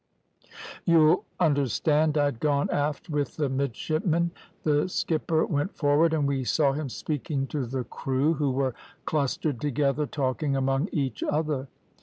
"You'll understand I'd gone aft with the midshipmen. The skipper went forward, and we saw him speaking to the crew, who were clustered together, talking among each other.